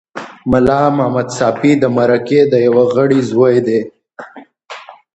ملا محمد ساپي د مرکې د یوه غړي زوی دی.